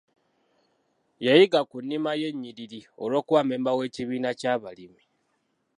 Yayiga ku nnima y'ennyiriri olw'okuba mmemba w'ekibiina ky'abalimi.